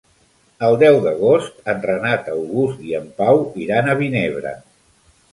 El deu d'agost en Renat August i en Pau iran a Vinebre.